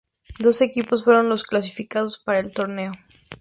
Doce equipos fueron los clasificados para el torneo.